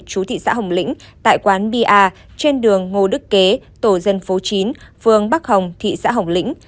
chú thị xã hồng lĩnh tại quán bar trên đường ngô đức kế tổ dân phố chín phường bắc hồng thị xã hồng lĩnh